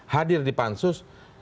hadir di pansus